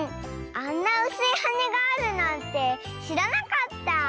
あんなうすいはねがあるなんてしらなかった。